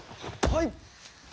はい！